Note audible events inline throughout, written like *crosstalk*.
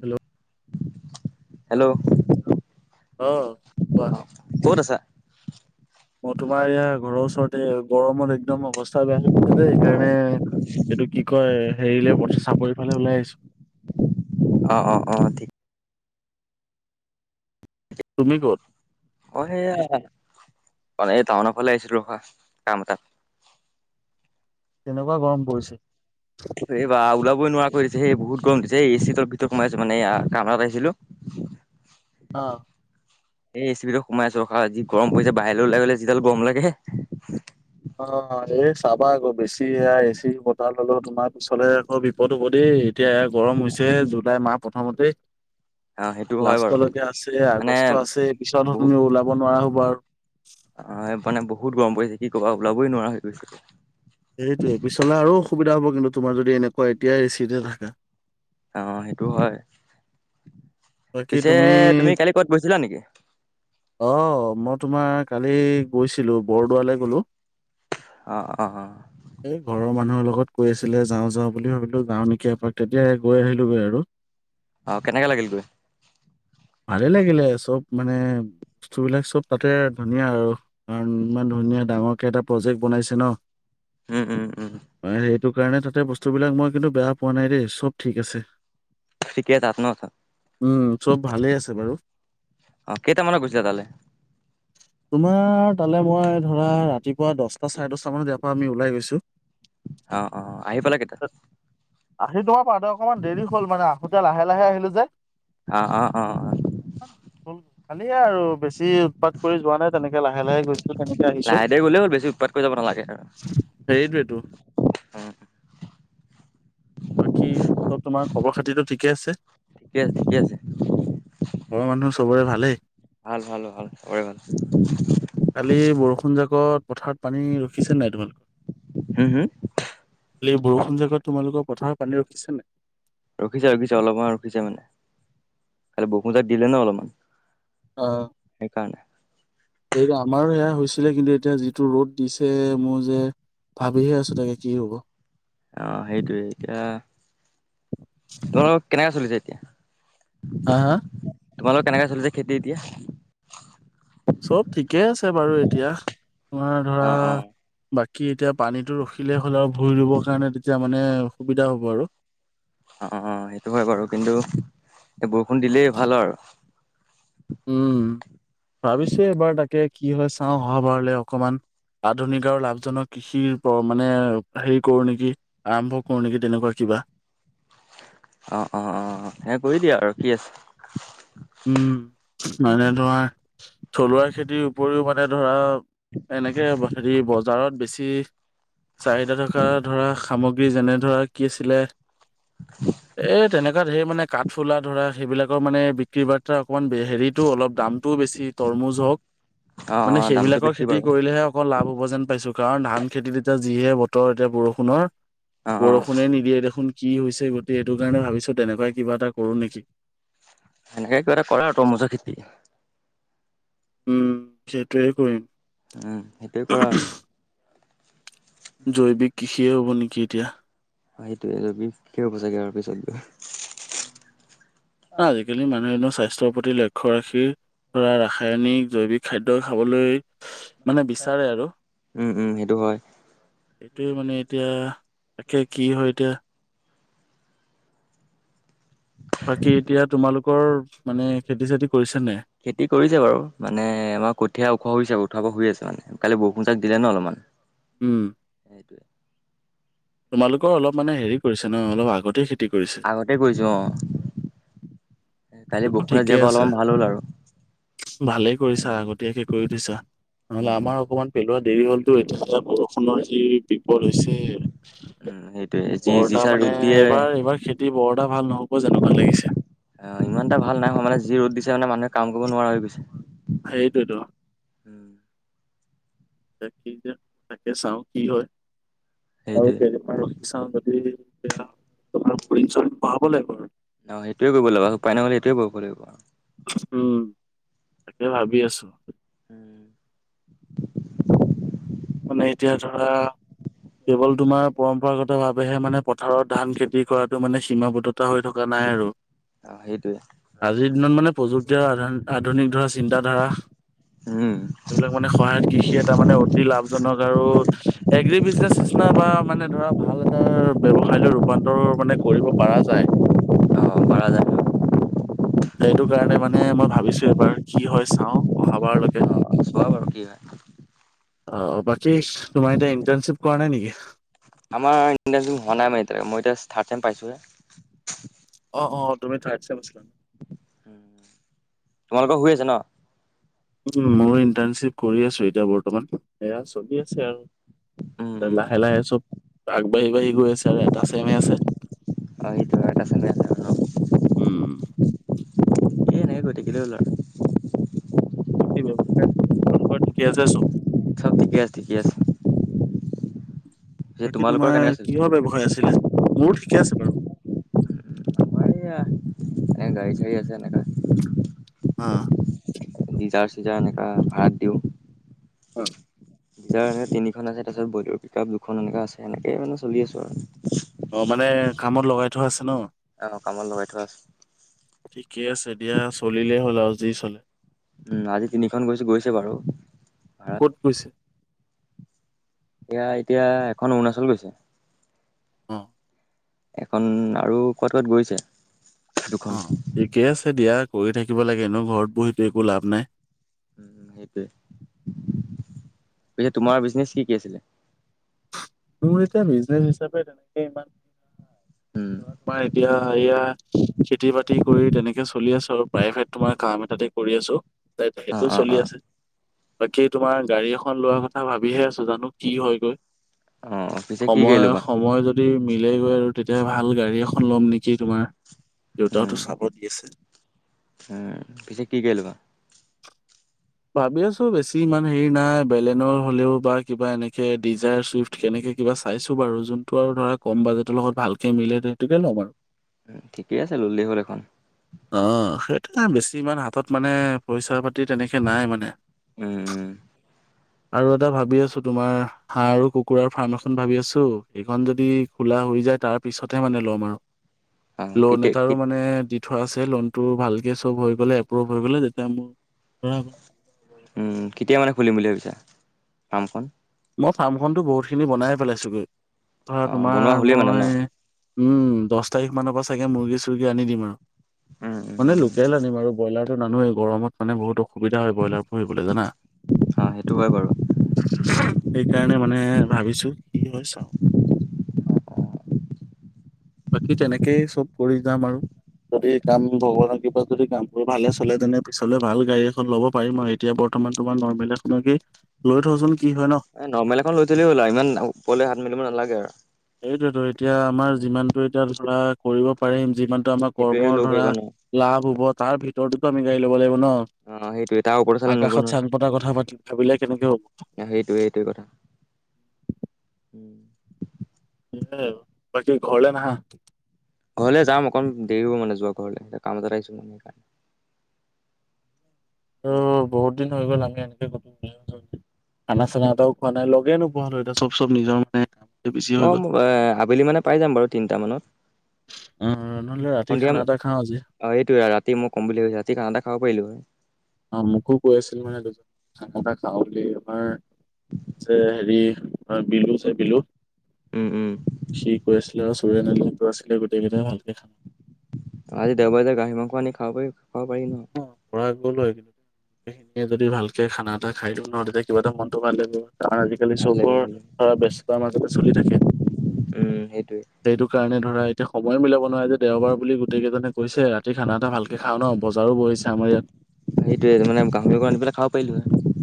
Hello hello অ ক'ত আছা? অ' তোমাৰ এইয়া ঘৰৰ ওচৰতে গৰমত একম একদম অৱস্থা বেয়া লাগিছে যে সেইকাৰণে এইটো কি কয় হেৰিলে চাপৰি ফালে ওলাই আহিছো। অ অ অ ঠিক তুমি ক'ত? অ সেয়া মানে এই টাউনৰ ফালে আহিছিলোঁ হা কাম এটাত তেনেকুৱা গৰম পৰিছে, এই বাহ ওল ক নোৱাৰা কৰি দিছে সেই বহুত গৰম দিছে এ চি তৰ ভিতৰত হোমাই আছো মানে এই কামত আহিছিলোঁ অহ এই এ ছি ভিতৰত সোমাই আছো ৰখা যি গৰম পৰিছে, বাহিৰলৈ ওলাই গ'লে যিডাল গৰম লাগে অ এ চাবা আক বেছি এয়া এচি বতাৰ ললেও তোমাৰ পিচলে আকৌ বিপদ হ'ব দেই এতিয়া গৰম হৈছে জুলাই মাহ প্ৰথমতেই অ', সেইটো হয় বাৰু লাষ্টলৈকে আছে মানে আগষ্ট আছে পিছত বহু তুমি ওলাব নোৱাৰা হবা আৰু অ', মানে বহুত গৰম পৰিছে কি ক'বা ওলাবই নোৱাৰা হৈ গৈছোঁ। সেইটোয়ে, পিছলে আৰু অসুবিধা হব কিন্তু তোমাৰ যদি এনেকুৱা এতিয়া এচি তে থাকা অ সেইটো হয়। পিছে তুমি কালি কৰবাত গৈছিলা নেকি? অ', মই তোমাৰ কালি গৈছিলো বৰদোৱালৈ গ'লো অঁ অঁ এই ঘৰৰ মানুহৰ লগত কৈ আছিলে যাওঁ যাওঁ বুলি ভাবিলো যাওঁ নেকি এপাক তেতিয়া গৈ আহিলোগৈ আৰু অ কেনেকা লাগিল গৈ ভালে লাগিলে চব মানে বস্তুবিলাক চব তাতে ধুনীয়া আৰু কাৰণ ইমান ধুনীয়া ডাঙৰকে এটা প্ৰজেক্ট বনাইছে ন উম, উম, উম, হয় সেইটো সেইটো কাৰণে তাতে বস্তুবিলাক মই কিন্তু বেয়া পোৱা নাই দেই চব ঠিক আছে ঠিকেই তাত ন উম চব ভালেই আছে বাৰু। অ কেইটামানত গৈছা তালে? *unintelligible* তোমাৰ তালে মই ধৰা ৰাতিপুৱা দহটা চাৰে দশটা মানত ইয়াৰ পৰা আমি ওলাই গৈছো। অ অ আহি পালা কেইটা আহি তোমাৰ পাওঁতে অকণমান দেৰি হল মানে আহোতে লাহে লাহে আহিলো যে। অঁ অঁ অঁ অঁ খালি আৰু বেছি উৎপাত কৰি যোৱা নাই তেনেকে লাহে লাহে গৈছো তেনেকে আহিছোঁ *unintelligible* *unintelligible* লাগে বাকী চব তোমাৰ খবৰ খাতিটো ঠিকে আছে ঠিকে আছে ঠিকে আছে হয় মানুহ চবৰে ভালেই? ভাল ভাল ভাল চবৰে ভাল কালি বৰষুণ জাকত। পথাৰত পানী ৰখিছো নাই তোমালোকৰ? হুম হুম কালিৰ বৰষুণ জাকত তোমালোকৰ পথাৰত পানী ৰখিছে নাই? ৰখিছে ৰখিছে, অলপমান ৰখিছে মানে খালি বৰষুণজাক দিলে ন অলপমান সেইকাৰণে সেইটো আমাৰো সেয়া হৈছিলে কিন্তু এতিয়া যিটো ৰ'দ দিছে মোৰ যে। ভাবিহে আছো তাকে কি হব। অ সেইটোয়ে এতিয়া তোমালোকৰ কেনেকে চলিছে এতিয়া? হা হা তোমালোকৰ কেনেকে চলিছে খেতি এতিয়া চব ঠিকে আছে বাৰু এতিয়া তোমাৰ ধৰা অ অ ব কি এতিয়া পানীটো ৰখিলেই হ'ল আৰু ভূই ৰুবৰ কাৰণে তেতিয়া মানে সুবিধা হ'ব আৰু। অ অ সেইটো হয় বাৰু, কিন্তু বৰষুণ দিলেই ভাল আৰু। উম ভাবিছো এবাৰ তাকে কি হয় চাওঁ অহা বাৰলৈ অকমান। আধুনিক আৰু লাভজনক কৃষিৰ মানে হেৰি কৰো নেকি আৰম্ভ কৰো নেকি তেনেকুৱা ক বাাহ আহ অ অ সে কৰি দিয়া আৰু কি আছে উম, মানে ধৰা থলুৱা খেতিৰ উপৰিও মানে ধৰা। এনেকে হেৰি বজাৰত বেছি চাহিদা থকা ধৰা সামগ্ৰী যেনে ধৰা কি আছিলে এ তেনেকুৱা ধেৰ মানে ক। থলা ধৰা সেইবিলাকৰ মানে বিক্ৰী বাৰ্তা অকণমান হেৰিটো অলপ দামটোও বেছি তৰমুজ হওক অ অ মানে দামটো সেইবিলাকৰ বেছি খেতি বাৰু কৰিলেহে অকল লাভ হ'ব যেন পাইছো। কাৰণ ধান খেতিত এতিয়া যিহে বতৰ এতিয়া বৰষুণৰ অ অ বৰষুণে নিদিয়ে দেখোন। কি হৈছে গতিে এইটো কাৰণে ভাবিছো তেনেকুৱাই কিবা এটা কৰো নেকি এেনেকে কিবা এটা কৰা তমুজা খেতি উম সেইটোৱেই কৰিম। উম সেইটোৱে কৰা আৰু জৈৱিক কৃষিয়ে হ'ব নেকি এতিয়া। সেইটোৱে বিষব চাগৈ আৰু পিছত গৈ আজিকালি মনেন চাই স্বাস্থ্যৰ প্ৰতি লক্ষ্য ৰাখি ধৰা ৰাসায়নিক জৈৱিক খাদ্য খাবলৈ। উম উম সেইটো হয়। এইটোোৱে মানে এতিয়া তে কি হয় এতিয়া। বাকী এতিয়া তোমালোকৰ মানে খেতি চেতি কৰিছে নে খেতি কৰিছে বাৰু মানে আমাৰ কঠীয়া ওখোৱা হৈছে উঠাব শ আছে মানে কালি বৰষুণ চাক দিলে ন অলপমান। উম। সেইটোৱে। তোমালোকৰ অলপ মানে হেৰি কৰিছে ন অলপ আগতে। কৰিছে আগতে কৰিছো অ। কালি এইটোতো বৰষুণত ঠিকে দিয়াৰ পৰাা আছে অলপমান ভাল হ'ল আৰু ভালেই কৰিছা আগতীয়াকে কৰি থৈছা। উম নহলে উম আমাৰ অকণমান পেলোৱা দেৰি হলতো এতি বৰষুণৰ। যি বিপদ হৈছে। উম সেইটোয়ে যি বৰটাা যিচা মানে ৰ'দ দিয়ে এইবাৰ এইবাৰ খেতি বৰটাা ভাল নহ'ব যেনেকুৱাত লাগিছে। অ ইমান এটা ভাল নাই হয় মানে যি ৰ'দ দিছে মানে মানুহে কাম কৰিব নোৱাৰা হৈ গৈছে। সেইটোতো। উম তাক কি যে তাকে চাওঁ কি হয়। আৰু সেইটোৱে তেনেকুৱা ৰখি চাওঁ যদিয়া তোমাৰ চ পঢ়াব লাগিব। ন সেইটোয়ে কৰিব লাগিব উপায় নহ'লে সেইটোয়ে কৰিব লাগিব আৰু উম তাকে ভাবি আছো। হ মানে এতিয়া ধৰা কেৱল তোমাৰ পৰম্পৰাগত ভাৱেহে মানে পথাৰত ধান খেতি কৰাতটো মানে সীমাবদ্ধতা হৈ থকা নাই নাই আৰু অ সেইটোৱে আজিৰ দিনত মানে প্ৰযুক্তি আৰু আধুনিক ধৰা চিন্তাধাৰা। উম এইবিলাক মানে সহায়ত কৃষি এটা মানে লাভজন আৰু এগ বিজনে নিচি বা মানে ধৰা ভাল এটা ব্যৱসায় লৈ। ৰূপান্তৰ মানে কৰিব পৰা যায়। অ পাৰা যায় সেইটো কাৰণে মানে আমই। ভাবিছো এবাৰ কি হয় চাও অহাবাৰলৈকে। অ চোৱা বাৰু কি হয়। অ বাকী তোমাৰ এতিয়া ইণ্টাৰ্ণশ্বিপ কৰা নাই নেকি আমাৰ *unintelligible* হোৱা নাই মানে এতিয়া লৈকে। মই এতিয়া থাৰ্ড ছেম পাইছোঁ হে। অ অ তুমি থাৰ্ড ছেম আছিলা। উ তোমালোক শুই আছে ন? উ মই ইণ্টাৰ্ণশ্বিপ কৰি আছো এতিয়া বৰ্তমান সেয়া চলি আছে উম আৰু। লাহে উম লাহে চব। আগবাঢ়ি বাঢ়ি গৈ আছে আৰু এটা ছেমে আছে। অ সেইটো এটা চলি আছে উম। গতিকেলৈ *unintelligible* *unintelligible* চব ঠিকে আছে ঠিকে আছে পিছে বাকী তোমালোকৰ কেনেকা তোমাৰ চলিছে? কিহৰ ব্যৱসায় আছিলে? মোৰো ঠিকে আছে বাৰু। আমাৰ এইয়া এনে গাড়ী চাড়ী আছে এনেকা। অ', দিজাৰ চিজা এনেকা ভাৰাত হয়। দিজাৰ হে তিনিখন আছে তাৰপিছত বলেৰ পিক আপ দুখন এনেকা আছে এনেকে মানে চলি আছো আৰু। অ মানে কামত লগাই থোৱা আছে ন? অ কামত লগাই থোৱা আছে। ঠিকেই আছে দিয়া চলিলেই হ'ল আৰু যি চলে। উম আজি তিনিখন গৈছো গৈছে বাৰু ভাড়াত। ক'ত গৈছে? এয়া এতিয়া এখন অৰুণাচল গৈছে। অ। এখন আৰু কত কত গৈছে। দুখন অ ঠিকে আছে দিয়া কৰি থাকিব লাগে এনো ঘৰত বহিটো একো লাভ নাই। উ সেইটোৱে পিছে তোমাৰ বিজনেচ কি কি আছিলে? মোৰ এতিয়া বিজনেচ হিচাপে তেনেকে ইমান উম। তোমাৰ এতিয়া এয়া খেতি বাতি কৰি তেনেকে চলি আছো আৰু প্ৰাইভেট তোমাৰ কাম। তাতে কৰি আছো, তাৰ অ সেইটোও অ চলি অ আছে। বাকী তোমাৰ গাড়ী এখন লোৱা কথা ভাবিহে আছো জানো কি হয় গৈ? অ পিছে কি গাড়ী সময় ল'বা? সময় যদি যদি মিলে গৈ আৰু তেতিয়া ভাল গাড়ী এখন ল'ম নেকি তোমাৰ দেউতাতো উম চাব দি আছে। উম পিছে কি গাড়ী লবা? ভাবি আছো বেছি ইমান হেৰি নাই বেলেনৰ হলেও বা কিবা এনেকে ডিজায়াৰ চুইফ্ট কেনেকে কিবা চাইছো বাৰু যোনটো আৰু ধৰা কম বাজেটৰ লগত ভালকে মিলে সেইটোকে ল'ম আৰু। উ ঠিকেই আছে ললেই হ'ল এখন। অ সেইটো বেছি ইমান হাতত মানে পইচা পাতি তেনেকে নাই মানে। উম আৰু এটা ভাবি আছো তোমাৰ হাঁহ আৰু কুকুৰাৰ ফাৰ্ম এখন ভাবি আছো, এইখন যদি খোলা হৈ যায় তাৰ পিছতহে মানে ল'ম আৰু। অ লোন কেতিয়া এটাৰো কেত- মানে থ আছে লোনটো ভালকে চব হৈ গ'লে এপ্ৰভ হৈ গ'লে তেতিয়া মোৰ ধৰা উম, কেতিয়া মানে খুলিম বুলি ভাবিছা ফাৰ্মখন? মই ফাৰ্মখনতো বহুতখিনি বনাই পেলাইছোঁগৈ। ধৰা অ তোমাৰ বনোৱা হ'লেই মানে ন মই উম দছ তাৰিখ মানৰ পৰা চাগে মুৰ্গী চৰ্গী আনি দিম আৰু। উম উম মানে উম লোকেল আনিম আৰু ব্ৰইলাৰটো নানোৱেই গৰমত মানে বহুত সুবিধা হয় ব্ৰইলাৰ পুহিবলৈ জানা। অ সেইটো হয় বাৰু সেইকাৰণে মানে ভাবিছো কি হয় চাও। বাকী তেনেকেই চব কৰি যাম আৰু। যদি কাম ভগবানৰ কৃপাত যদি কাম কৰি ভালে চলে তেনে পিছলে ভাল গাড়ী এখন ল'ব পাৰিম আও, এতিয়া বৰ বৰ্তমান তোমাৰ নৰ্মেল এখনকেই লৈ থওঁচোন, কি হয় ন? এ নৰ্মেল এখন লৈ থলেই হল আও। ইমান ওপৰলে শা মেলিব নালাগে আৰু। সেইটোৱেতো, এতিয়া আমাৰ উম, যিমানতটো এতিয়া ধৰা কৰিব পাৰিম। যিমান আমাৰ সেইটোৱে কৰ্মৰ ল'ব ধৰা পাৰিবা ন লাভ হব তাৰ ভিতৰতোতো আমি গাড়ী ল'ব লাগিব ন। অ সেইটোৱে তাৰ ওপৰত চালে নহ'ব আকাশত নহয় চাং পতা কথা পাতি ভাবিলে কেনেকে হ'ব? *inaudible* অ, সেইটোৱে সেইটোৱে কথা *inaudible* *unintelligible* তুমি ঘৰলে নাহা? ঘৰলে যাম অকণ দেৰি হ'ব মানে যোৱা ঘৰলে। কাম এটাত আহিছোঁ মানে সেইকাৰণে। উম। ত' বহুত দিন হৈ গ'ল আমি এনেকে গো খানা চানা এটাও খোৱা নাই। লগে নোপোৱা হলোঁ এতিতা চব চব নিজৰ মানে বিজি হৈ ম গ'ল। এ আবেলি মানে পাই যাম বাৰু তিনটা মানত। অ। নহ'লে ৰাতি সন্ধিয়া খানা ম এটা খাওঁ আজি অ এইটোৱে ৰাতি মই কম বুলি ভাবিছ ৰাতি খানা এটা খাব পাৰিলো হয়। অ মোকো কৈ আছিল মানে *unintelligible* খাওঁ বুলি আমাৰ জে হেৰি অ বিলু চে বিলু। উম উম সি কৈ আছিলে আৰু চৰি *unintelligible* আছিলে গোটেইকেইটাই ভালকে খানা আজি দেওবাৰ যে গাহৰি মাংস আনি খাব পাৰি, খাব পাৰি ন। কৰা গ'ল হয়, এতিয়া যদি ভালকে খানা এটা খাই দিওঁ ন তেতিয়া কিবা এটা মনটো ভাল লাগিব। কাৰণ আজিকালি ভাল চবৰ লাগে ভাল লাগে ধৰা ব্যস্ততাৰ মাজতে চলি থাকে। উম সেইটোৱে সেইটো কাৰণে ধৰা এতিয়া সময়ো মিলাব নোৱাৰে যে। দেওবাৰ বুলি গোটেইকেইজনে কৈছে ৰাতি খানা এটা ভালকে খাও ন। বজাৰো বহিছে আমাৰ ইয়াত। সেইটোৱে মানে গাহৰি অকন আনি পেলাই খাব পাৰিলো হয়।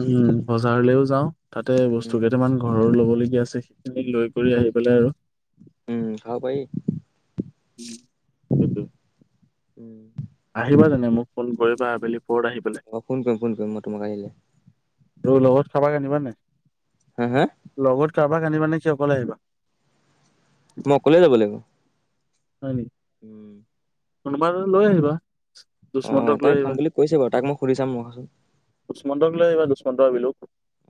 উম। বজাৰলৈও যাওঁ, তাতে বস্তু উম কেইটামান ঘৰৰ ল'ব লবলগীয়া আছে সেইখিনি লৈ কৰি আহি পেলাই আৰু। উম খাব পাৰি। সেইটো উম আহিবা জানে মোক ফোন কৰিবা। আবেলি পৰত আহি অ ফোন কৰিম, ফোন কৰিম মই তোমাক আহিলে। ত লগত কাবাক আনিবা নাই? হা হা লগত কাবাক আনিবা নেকি? অকলে আহিবা? মই অকলে যাব লাগিব। হয় নেকি? উম। কোনোবা লৈ আহিবা। অ দুষ্মন্তক লৈ তাই খাম আহিবা বুলি কৈছে বাৰু। তাক মই সুধি চাম মই। দুচমন্তক লৈ আহিবা। দুুচমন্ত আৰু বিলু।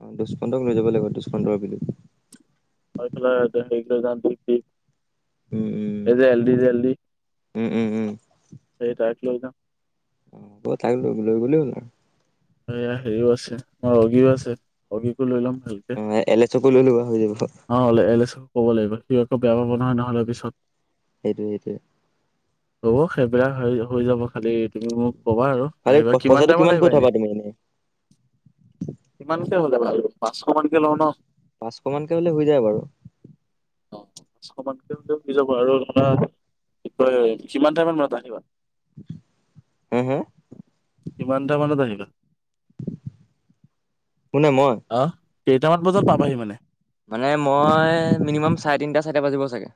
অ দুষ্মন্তক লৈ যাব লাগিব, দুষ্টমন্ত আৰু বিলুক। আৰু *unintelligible* উম সে যে এলদি যে এলদি, উম উম উম উম তাক লৈ যাম। অ বত তাক লৈ লৈ *unintelligible* এয়া হেৰিও আছে মই ৰগীও আছে ৰগিকো লৈ ল'ম ভালকে অ এলেচকো লৈ ল'বা হৈ যাব অ অলেচ ক'ব লাগিব সি একো বেয়া পাব নহয় নহ'লে পিছত সেইটোয়ে সেইটোয়ে হ'ব সেইবিলাক হৈ যাব খালি তুমি মোক কবা আৰু খালি আহিবা কিমান পইচাটো টাইমত কিমানকে আহিবা উঠাবা এনেই তুমি ইমানকে হ'লে বাৰু পাঁচশ মানকে লওঁ ন পাঁচশমানকে হলে হৈ যায় বাৰু অ পাঁচশ মানকে হলে হৈ যাব আৰু আপোনাৰ কি কয় কিমান টাইাম মানত আহিবা হা হা কিমানটা মানত আহিবা কোনে মই আহ কেইটামান বজাত পাবাহি মানে মানে মই মিনিমাম চাৰে তিনিটা চাৰিটা বাজিব চাগে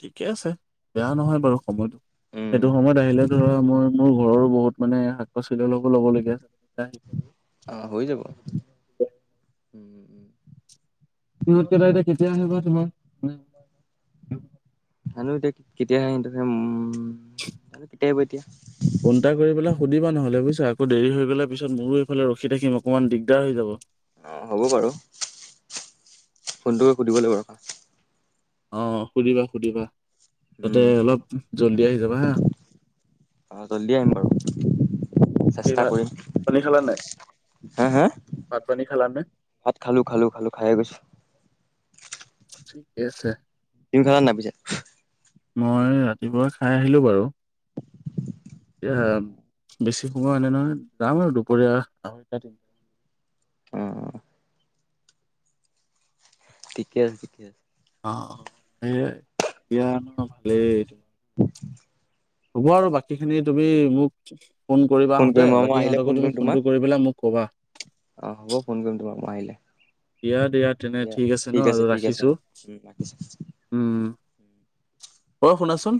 ঠিকে আছে বেয়া নহয় বাৰু সময়তটো উম সেইটো সময়ত আহিলে ধৰা মই মোৰ ঘৰৰো বহুত মানে শাক পাচলি অলপ ল'ব লাগে আহ হৈ যাব উম উ সিহত কেইটাই বা কেতিয়া আহে বা তোমাৰ জানো এতিয়া কেতিয়া আহে হেতিহে জানে কেতিয়া এতিয়া ফোন এটা কৰি পেলাই সুধিবা নহ'লে বুজিছা আকৌ দেৰি হৈ গ'লে তাৰপিছত মোৰো এইফালে ৰখি থাকিম অকণমান দিগদাৰ হৈ যাব। অ হ'ব বাৰু ফোনটো সুধিব লাগিব ৰখা অ সুধিবা সুধিবা তাতে উম অলপ জল্দি আহি যাবা হা অ জল্দি আহিম বাৰু কি চেষ্টা ভাত কৰিম পানী খালা নাই হা হা পানী খালা নে? ভাত খালো খালো খালো খাই গৈছো ঠিকে আছে তুমি খালা নাই পিছে মই ৰাতিপুৱা চাই আহিলো বাৰু সোমোৱা আনে নহয় যাম আৰু দুপৰীয়া আহ এ অহ অহ ঠিকে আছে ঠিকে আছে অ এতিয়া ভালেই হ'ব আৰু বাকী খিনি তুমি মোক ফোন কৰিবা ফোন আহোতে কৰিম বাৰু মই বাকী আহিলে ফোন সিহঁতকো তুমি কৰিম তোমাক ফোনটো কৰি পেলাই মোক কবা অ হ'ব ফোন কৰিম তোমাক মই আহিলে দিয়া তেনে দিয়া ন ঠিক আছে আৰু ঠিক আছে ৰাখিছোঁ উম ৰাখিছো উম অ' ক কোন শুনাচোন আছে